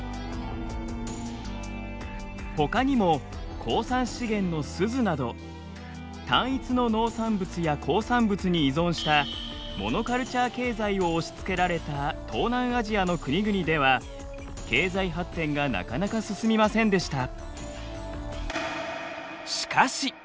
ほかにも鉱産資源のすずなど単一の農産物や鉱産物に依存したモノカルチャー経済を押しつけられた東南アジアの国々では経済発展がなかなか進みませんでした。